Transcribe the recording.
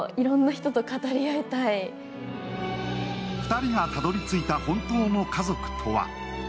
２人がたどり着いた本当の家族とは。